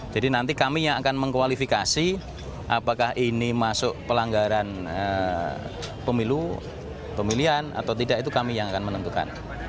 jadi nanti kami yang akan mengkualifikasi apakah ini masuk pelanggaran pemilu pemilihan atau tidak itu kami yang akan menentukan